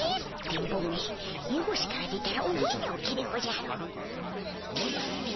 電ボめエボシから出たらおぼえておけでおじゃる。